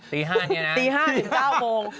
ตี๕๙โมง